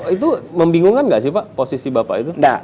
itu membingungkan nggak sih pak posisi bapak itu